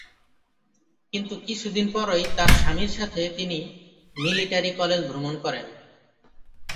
কিন্তু কিছুদিন পরই তার স্বামীর সাথে তিনি মিলিটারি কলেজ ভ্রমণ করেন।